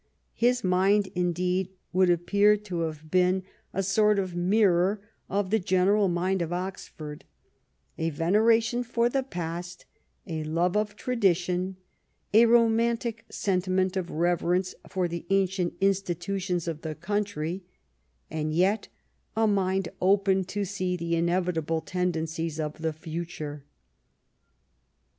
His mind, indeed, would appear to have been a ETON AND OXFORD 21 sort of mirror of the general mind of Oxford — a veneration for the past, a love of tradition, a romantic sentiment of reverence for the ancient institutions of the country, and yet a mind open to see the inevitable tendencies of the future.